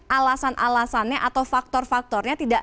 alasan alasannya atau faktor faktornya tidak